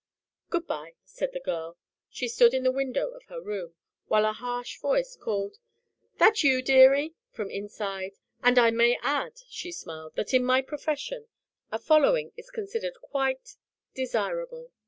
"Good by," said the girl. She stood in the window of her room, while a harsh voice called "That you, dearie?" from inside. "And I may add," she smiled, "that in my profession a following is considered quite desirable."